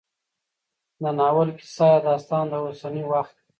د ناول کيسه يا داستان د اوسني وخت